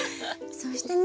そしてね